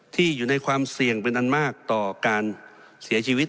ที่อยู่ในความเสี่ยงเป็นอันมากต่อการเสียชีวิต